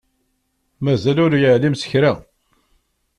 Mazal ur yeεlim s kra.